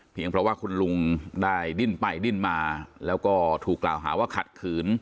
เพราะว่าคุณลุงได้ดิ้นไปดิ้นมาแล้วก็ถูกกล่าวหาว่าขัดขืน